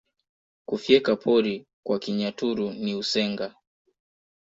Kufyeka pori kwa Kinyaturu ni Usenga